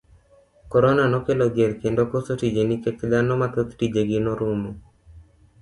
Korona nokelo dhier kendo koso tije nikech dhano mathoth tije gi norumo.